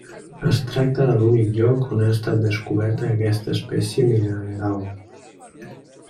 Es tracta de l'únic lloc on ha estat descoberta aquesta espècie mineral.